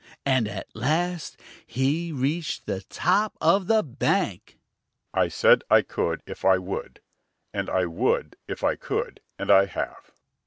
And at last he reached the top of the bank. "I said I could if I would, and I would if I could, and I have!"